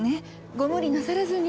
ご無理なさらずに。